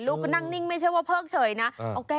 นั่งนิ่งไม่ใช่ว่าเพิกเฉยนะ